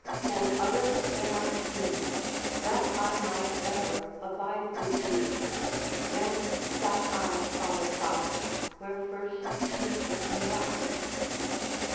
For other than I seemed, that I might ever Abide with you. Then sat I by the fount, Where first you took me up.